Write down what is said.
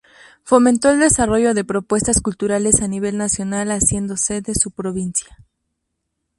Fomentó el desarrollo de propuestas culturales a nivel nacional haciendo sede su provincia.